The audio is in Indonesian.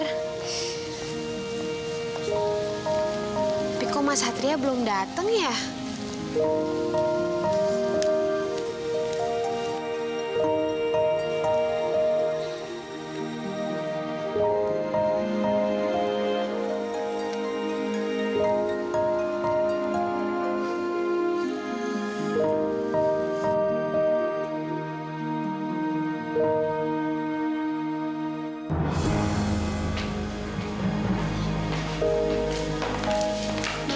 tapi kok mas satria belum dateng ya